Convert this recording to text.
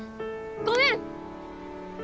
ごめん！